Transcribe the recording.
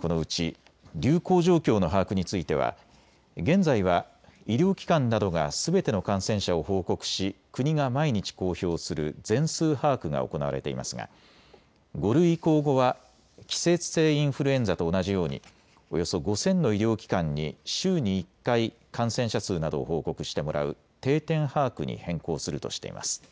このうち流行状況の把握については現在は医療機関などがすべての感染者を報告し国が毎日公表する全数把握が行われていますが５類移行後は季節性インフルエンザと同じようにおよそ５０００の医療機関に週に１回、感染者数などを報告してもらう定点把握に変更するとしています。